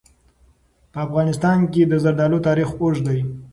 په افغانستان کې د زردالو تاریخ اوږد دی.